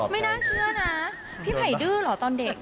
ไม่น่าเชื่อนะพี่ไผ่ดื้อเหรอตอนเด็ก